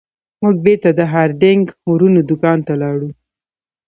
موږ بیرته د هارډینګ ورونو دکان ته لاړو.